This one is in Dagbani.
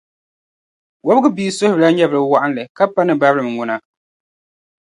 Wɔbigu bia suhurila nyɛvili wɔɣinli ka pa ni barilim ŋuna.